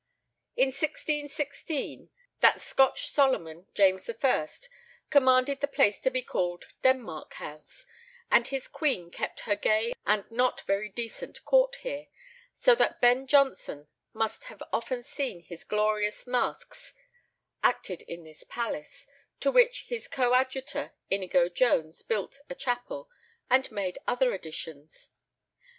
In 1616 that Scotch Solomon, James I., commanded the place to be called Denmark House; and his queen kept her gay and not very decent court here, so that Ben Jonson must have often seen his glorious masques acted in this palace, to which his coadjutor Inigo Jones built a chapel, and made other additions.